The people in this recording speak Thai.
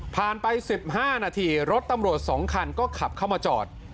ผ่านไปสิบห้านาทีรถตำรวจสองคันก็ขับเข้ามาจอด